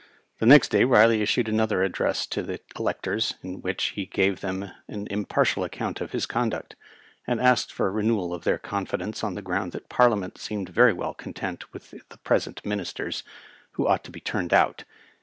The next day Eiley issued another address to the electors, in which he gave them > an impartial account of his conduct, and asked for a renewal of their confidence on the ground that Parliament seemed very well content with the present Ministers, who ought to be turned out.